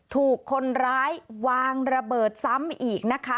ถูกคนร้ายวางระเบิดซ้ำอีกนะคะ